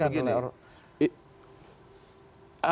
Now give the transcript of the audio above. ya tapi maksudnya secara resmi sudah dibubarkan